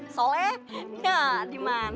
soalnya gak diman